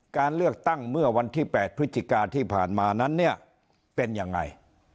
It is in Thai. การเลือกตั้งเมื่อวันที่๘พฤศจิกาที่ผ่านมานั้นเนี่ยเป็นยังไง